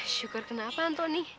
syukur kenapa antoni